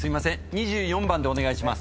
２４番お願いします。